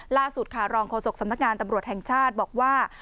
ล่าสุดค่ะรองโฆษกสำนักงานตำรวจแห่งชาติบอกว่า